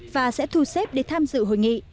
và sẽ thu xếp để tham dự hội nghị